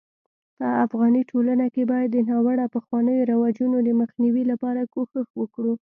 په افغاني ټولنه کي بايد د ناړوه پخوانيو رواجونو دمخ نيوي لپاره کوښښ وکړو